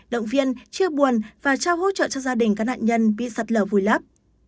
động viên chia buồn và trao hỗ trợ cho gia đình các nạn nhân bị sạt lở vùi lấp